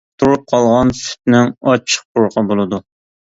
تۇرۇپ قالغان سۈتنىڭ ئاچچىق پۇرىقى بولىدۇ.